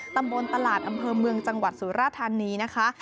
ตำบลตลาดอำเภอเมืองจังหวัดสุราธานีนะคะ